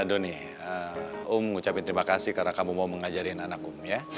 donny um ucapin terima kasih karena kamu mau mengajarin anak um ya